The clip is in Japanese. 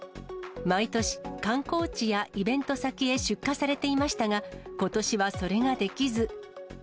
毎年、観光地やイベント先へ出荷されていましたが、ことしはそれができず。